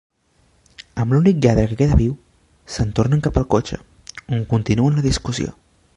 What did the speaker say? Amb l'únic lladre que queda viu, se'n tornen cap al cotxe, on continuen la discussió.